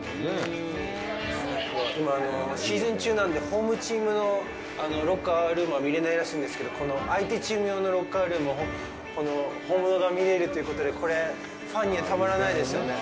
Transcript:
今、シーズン中なんで、ホームチームのロッカールームは見れないらしいんですけど、相手チーム用のロッカールーム、本物が見れるということで、これ、ファンには、たまらないですよね。